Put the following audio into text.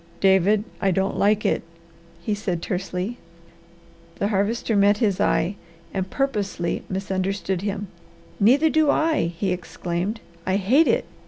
"David, I don't like it," he said tersely. The Harvester met his eye and purposely misunderstood him. "Neither do I!" he exclaimed. "I hate it!